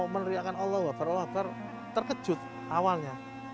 meneriakan allah wabar allah wabar terkejut awalnya